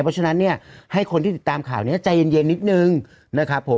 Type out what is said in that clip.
เพราะฉะนั้นเนี่ยให้คนที่ติดตามข่าวนี้ใจเย็นนิดนึงนะครับผม